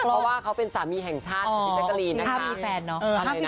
เพราะว่าเขาเป็นสามีแห่งชาติตัวประเทศสุดปังเลย